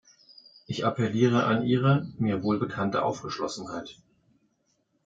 Ich appelliere an Ihre, mir wohlbekannte Aufgeschlossenheit!